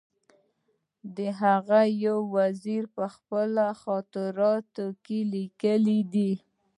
د هغه یو وزیر په خپلو خاطراتو کې لیکلي دي.